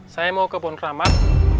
saya mau ke pohon keramat